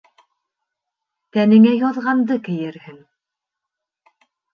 Тәнеңә яҙғанды кейерһең.